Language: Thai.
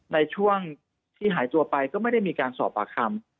ในช่วงที่หายตัวไปก็ไม่ได้มีการสอบปากคำ